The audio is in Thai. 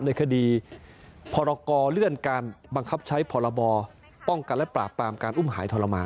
ในคดีพรกรเลื่อนการบังคับใช้พรบป้องกันและปราบปรามการอุ้มหายทรมาน